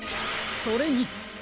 それに！